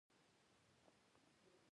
د لیکلي اساسي قانون څښتن شو.